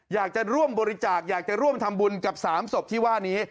อยากจะร่วมบริจาคอยากจะร่วมทำบุญกับ๓ศพที่ว่านี้